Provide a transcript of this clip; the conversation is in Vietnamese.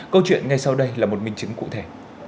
câu chuyện ngay sau đây là một minh chứng cụ thể